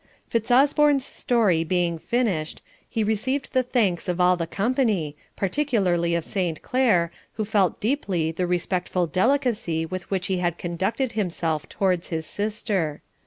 Fitzosborne's story being finished, he received the thanks of all the company, particularly of Saint Clere, who felt deeply the respectful delicacy with which he had conducted himself towards his sister.